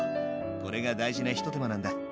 これが大事な一手間なんだ。